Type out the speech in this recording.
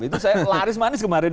itu saya laris manis kemarin